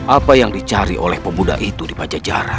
apa yang dicari oleh pemuda itu di pajajaran